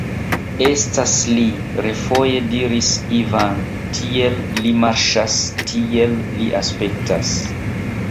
Estas li!refoje diris Ivan, tiel li marŝas, tiel li aspektas.